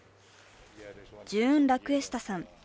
ジューン・ラクエスタさん。